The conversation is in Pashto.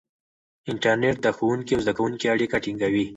انټرنیټ د ښوونکي او زده کوونکي اړیکه ټینګوي.